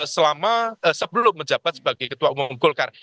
selama sebelum menjabat sebagai ketua umum golkar